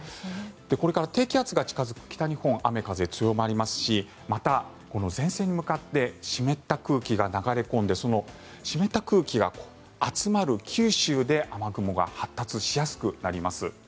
これから低気圧が近付く北日本は雨風強まりますしまた、この前線に向かって湿った空気が流れ込んで湿った空気が集まる九州で雨雲が発達しやすくなります。